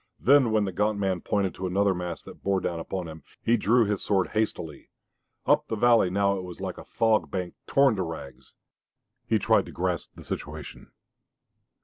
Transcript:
Then when the gaunt man pointed to another mass that bore down upon them, he drew his sword hastily. Up the valley now it was like a fog bank torn to rags. He tried to grasp the situation.